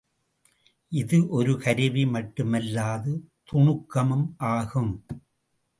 இது ஒரு கருவி மட்டுமல்லாது துணுக்கமும் ஆகும்.